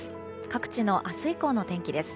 各地の明日以降の天気です。